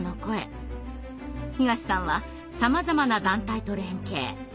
東さんはさまざまな団体と連携。